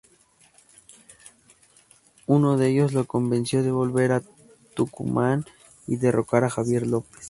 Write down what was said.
Uno de ellos lo convenció de volver a Tucumán y derrocar a Javier López.